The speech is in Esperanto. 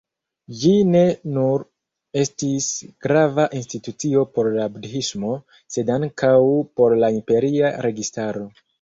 Ĝi ne nur estis grava institucio por budhismo, sed ankaŭ por la imperia registaro.